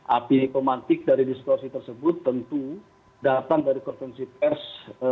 api dipmantik dari distorsi tersebut tentu datang dari konferensi pers